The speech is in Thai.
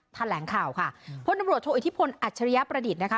แถลงข่าวค่ะพลตำรวจโทอิทธิพลอัจฉริยประดิษฐ์นะคะ